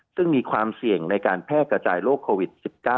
ซึ่งมีความเสี่ยงในการแพร่กระจายโรคโควิด๑๙